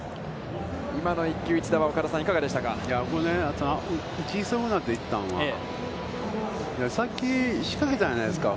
今の一球一打は岡田さん、どうでしたか。